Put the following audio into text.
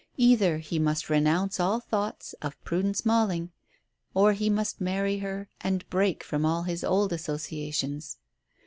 Either he must renounce all thoughts of Prudence Malling, or he must marry her, and break from all his old associations.